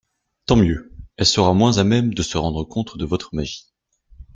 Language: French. Tant mieux ; elle sera moins à même de se rendre compte de votre magie…